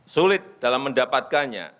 sulit dalam mendapatkannya